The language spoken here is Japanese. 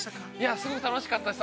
◆すごく楽しかったです。